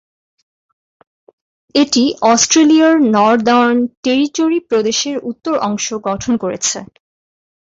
এটি অস্ট্রেলিয়ার Northern Territory প্রদেশের উত্তর অংশ গঠন করেছে।